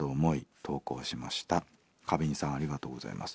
花瓶さんありがとうございます。